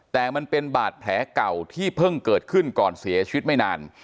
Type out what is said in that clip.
แต่มันเป็นบาดแผลเก่าที่เพิ่งเกิดขึ้นก่อนเสียชีวิตไม่นาน